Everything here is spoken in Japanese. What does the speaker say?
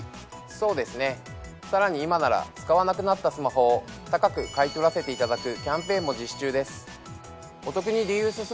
そうですねさらに今なら使わなくなったスマホを高く買い取らせていただくキャンペーンも実施中です。